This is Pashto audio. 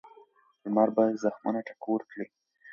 لمر به زخمونه ټکور کړي.